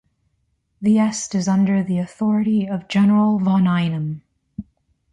The est is under the authority of General von Einem.